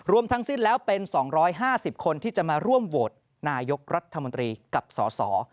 ทั้งสิ้นแล้วเป็น๒๕๐คนที่จะมาร่วมโหวตนายกรัฐมนตรีกับสส